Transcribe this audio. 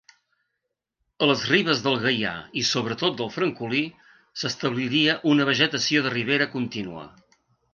A les ribes del Gaià i sobretot del Francolí s'establiria una vegetació de ribera contínua.